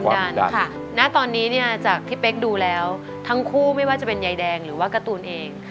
ณตอนนี้เนี่ยจากพี่เป๊กดูแล้วทั้งคู่ไม่ว่าจะเป็นยายแดงหรือว่าการ์ตูนเอง